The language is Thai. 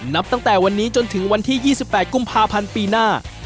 นับตั้งแต่วันนี้จนถึงวันที่๒๘กุมภาพันธ์ปีหน้า